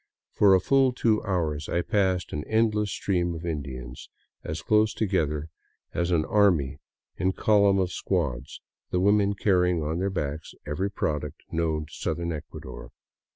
For a full two hours I passed an endless stream of Indians as close together as an army in column of squads, the women carrying on their backs every product known to southern Ecuador.